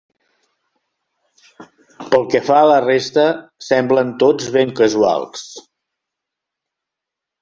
Pel que fa a la resta, semblen tots ben casuals.